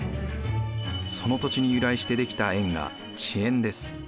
その土地に由来して出来た縁が地縁です。